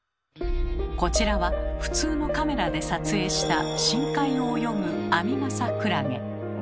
こちらは普通のカメラで撮影した深海を泳ぐアミガサクラゲ。